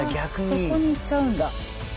そこに行っちゃうんだ。